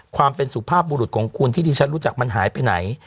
ความเป็นสุภาพบุรุษของคุณที่ดิฉันรู้จักมันหายไปไหน